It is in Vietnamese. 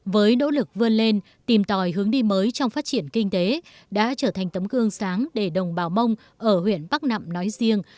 với nỗ lực vươn lên tìm tòi hướng đi mới trong phát triển kinh tế đã trở thành tấm gương sáng để đồng bào mông ở huyện bắc nậm nói riêng